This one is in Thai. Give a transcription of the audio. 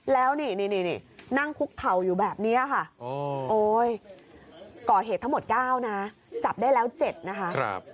แล้วนี่นั่งคุกเข่าอยู่แบบนี้ค่ะโอ๊ยก่อเหตุทั้งหมด๙นะจับได้แล้ว๗นะคะ